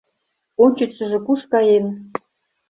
— Ончычсыжо куш каен?